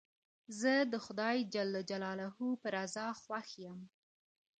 زه د خدای جل جلاله په رضا خوښ یم.